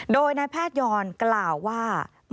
โดยนายแพทยอนกล่าวว่าไม่คิดจะหนี